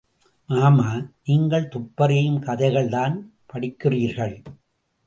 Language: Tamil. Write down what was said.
மாமா, நீங்கள் துப்பறியும் கதைகள்தான் படிக்கிறீர்கள்.